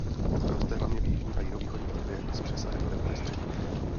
Roste hlavně v jižní a jihovýchodní Evropě s přesahem do Evropy střední.